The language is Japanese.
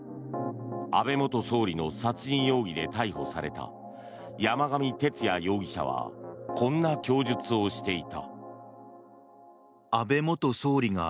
安倍元総理の殺人容疑で逮捕された山上徹也容疑者はこんな供述をしていた。